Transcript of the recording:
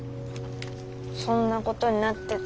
そんなことになってた。